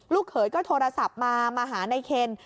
ลูกเขยก็โทรศัพท์มามาหานายเคน